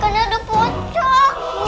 karena ada potnya